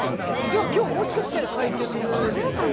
じゃあ今日もしかしたら解決するかな？